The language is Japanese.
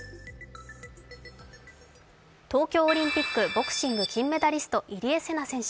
東京オリンピックボクシング金メダリスト、入江聖奈選手。